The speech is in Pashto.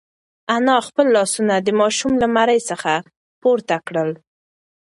انا خپل لاسونه د ماشوم له مرۍ څخه پورته کړل.